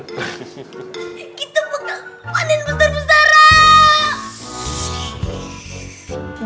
kita bakal panen besar besaran